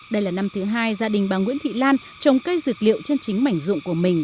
đây là năm thứ hai gia đình bà nguyễn thị lan trồng cây dược liệu trên chính mảnh ruộng của mình